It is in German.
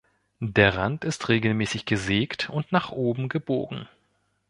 Der Rand ist regelmäßig gesägt und nach oben gebogen.